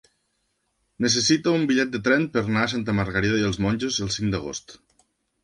Necessito un bitllet de tren per anar a Santa Margarida i els Monjos el cinc d'agost.